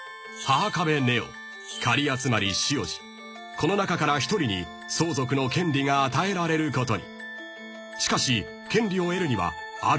［この中から１人に相続の権利が与えられることに］